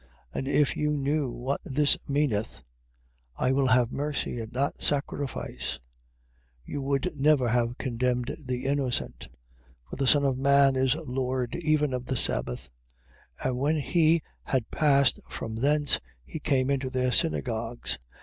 12:7. And if you knew what this meaneth: I will have mercy, and not sacrifice: you would never have condemned the innocent. 12:8. For the Son of man is Lord even of the sabbath. 12:9. And when he had passed from thence, he came into their synagogues.